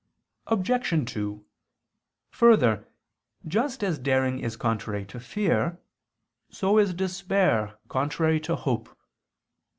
Obj. 2: Further, just as daring is contrary to fear, so is despair contrary to hope.